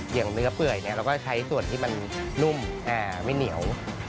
อย่างเนื้อเปื่อยเราก็ใช้ส่วนที่มันนุ่มไม่เหนียว